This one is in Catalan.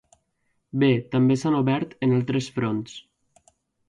Bé, també s’han obert en altres fronts.